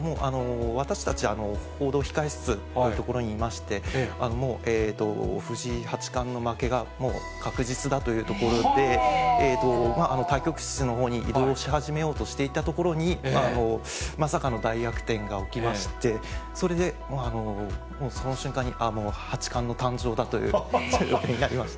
私たち、報道控室っていう所にいまして、藤井八冠の負けがもう確実だというところで、対局室のほうに移動し始めようとしていたところに、まさかの大逆転が起きまして、それでもうその瞬間に、ああ、八冠の誕生だという気持ちになりました。